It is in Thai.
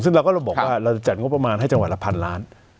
ซึ่งเราก็บอกว่าเราจะจัดงบประมาณให้จังหวัดละพันล้าน